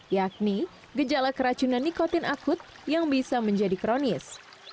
yakni gejala keracunan nikotin akut yang bisa menjadi kronis